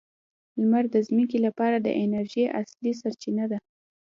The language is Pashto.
لمر د ځمکې لپاره د انرژۍ اصلي سرچینه ده.